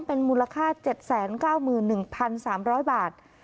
เป็นมูลค่าเจ็ดแสนเก้าหมื่นหนึ่งพันสามร้อยบาท